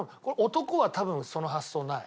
男は多分その発想ない。